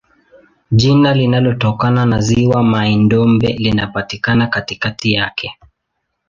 Jina linatokana na ziwa Mai-Ndombe linalopatikana katikati yake.